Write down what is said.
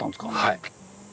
はい。